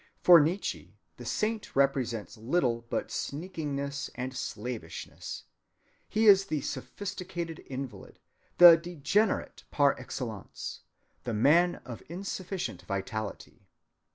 For Nietzsche the saint represents little but sneakingness and slavishness. He is the sophisticated invalid, the degenerate par excellence, the man of insufficient vitality.